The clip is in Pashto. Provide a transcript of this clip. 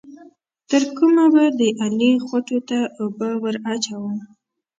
تر کومه به د علي خوټو ته اوبه ور اچوم؟